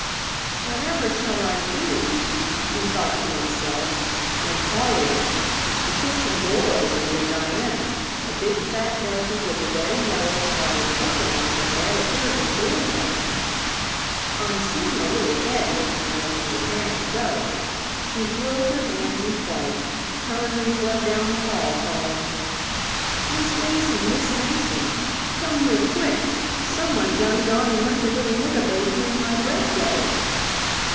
"What ever shall I do?" he thought to himself, when horrors! the kitchen door opened and Diana, a big, fat darky with a red and yellow spotted turban on her head appeared in the doorway. On seeing a little head looking at her from the pan of dough, she threw up her hands in fright, turned and fled down the hall, calling, "Mis' Mason! Mis' Mason! Come heah quick! Someone done gone and left a little niggah baby in my bread dough!"